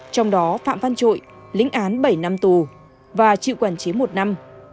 trong đó phạm văn trội lĩnh án bảy năm tù và chịu quản chế một năm